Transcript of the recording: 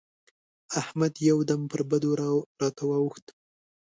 احمد يو دم پر بدو راته واووښت.